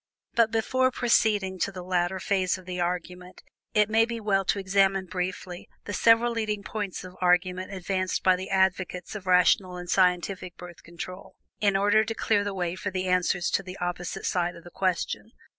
But, before proceeding to the latter phase of the argument, it may be well to examine briefly the several leading points of argument advanced by the advocates of rational and scientific Birth Control, in order to clear the way for the answers to the opposite side of the question.